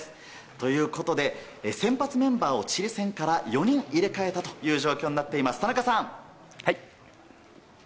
ということで、先発メンバーをチリ戦から４人入れ替えたという状況になっています。